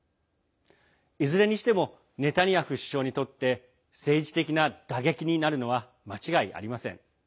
いずれにしてもネタニヤフ首相にとって政治的な打撃になるのは間違いありません。